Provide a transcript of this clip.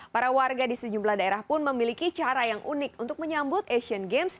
para warga di sejumlah daerah pun memiliki cara yang unik untuk menyambut asian games